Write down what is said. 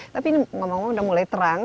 tapi ini memang sudah mulai terang